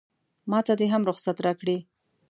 ماته دې هم رخصت راکړي.